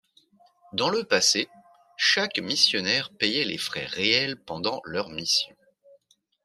Dans le passé, chaque missionnaire payait les frais réels pendant leur mission.